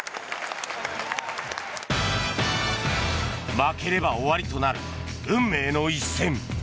負ければ終わりとなる運命の一戦。